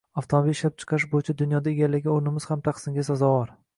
Avtomobil ishlab chiqarish boʻyicha dunyoda egallagan oʻrnimiz ham tahsinga sazovor.